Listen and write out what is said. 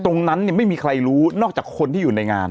ตรงนั้นเนี่ยไม่มีใครรู้นอกจากคนที่อยู่ในงาน